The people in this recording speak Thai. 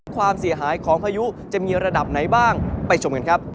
ความเสียหายของพายุจะมีระดับไหนบ้างไปชมกันครับ